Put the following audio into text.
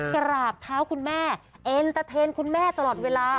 กราบเท้าคุณแม่เอ็นเตอร์เทนคุณแม่ตลอดเวลา